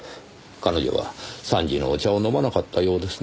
彼女は３時のお茶を飲まなかったようですねぇ。